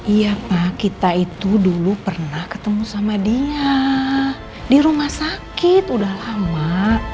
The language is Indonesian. iya pak kita itu dulu pernah ketemu sama dia di rumah sakit udah lama